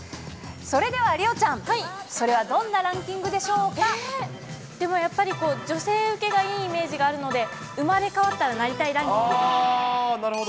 それでは梨央ちゃん、それはどんでもやっぱり、女性受けがいいイメージがあるので、生まれ変わったらなりたいラなるほど。